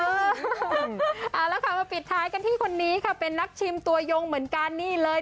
เอาละค่ะมาปิดท้ายกันที่คนนี้ค่ะเป็นนักชิมตัวยงเหมือนกันนี่เลย